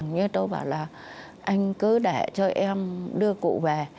như tôi bảo là anh cứ để cho em đưa cụ về